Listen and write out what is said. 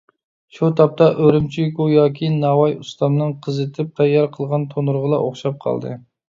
شۇ تاپتا ئۈرۈمچى گوياكى ناۋاي ئۇستامنىڭ قىزىتىپ تەييار قىلغان تونۇرىغىلا ئوخشاپ قالدى.